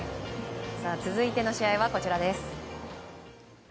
続いての試合はこちらです。